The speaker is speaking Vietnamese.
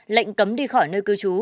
lệnh cấm đi khỏi nơi cư trú